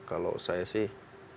kalau saya sih